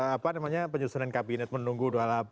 apa namanya penyusunan kabinet menunggu dua puluh delapan